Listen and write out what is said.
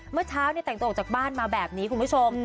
เมื่อเช้าแต่งตัวออกจากบ้านมาแบบนี้คุณผู้ชม